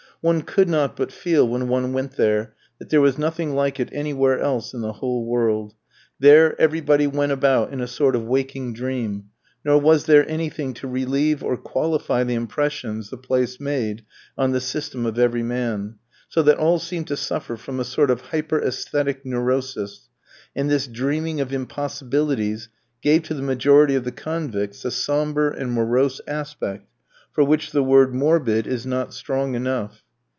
One could not but feel when one went there that there was nothing like it anywhere else in the whole world. There everybody went about in a sort of waking dream; nor was there anything to relieve or qualify the impressions the place made on the system of every man; so that all seemed to suffer from a sort of hyperæsthetic neurosis, and this dreaming of impossibilities gave to the majority of the convicts a sombre and morose aspect, for which the word morbid is not strong enough.